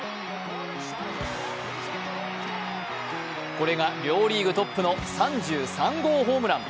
これが両リーグトップの３３号ホームラン。